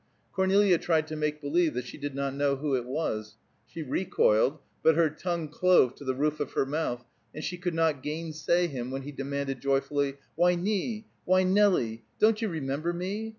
Cornelia tried to make believe that she did not know who it was; she recoiled, but her tongue clove to the roof of her mouth, and she could not gainsay him when he demanded joyfully, "Why, Nie! Why, Nelie! Don't you remember me?